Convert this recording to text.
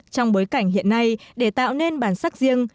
trong bối cảnh hiện nay để tạo nên bản sắc riêng